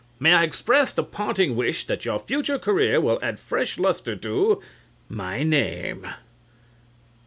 May I express the parting wish that your future career will add fresh lustre to my name.